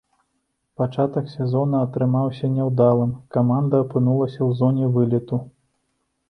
Пачатак сезона атрымаўся няўдалым, каманда апынулася ў зоне вылету.